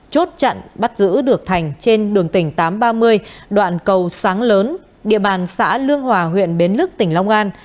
chốt chặn bắt giữ được thành trên đường tỉnh tám trăm ba mươi đoạn cầu sáng lớn địa bàn xã lương hòa huyện bến lức tỉnh long an